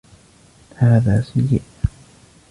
هذا سيئ.